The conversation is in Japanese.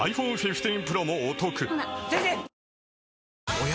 おや？